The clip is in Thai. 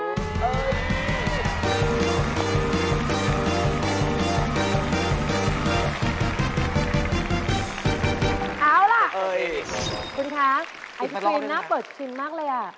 เอ้าล่ะคุณค้าไอศครีมน่าเปิดชิมมากเลยอ่ะ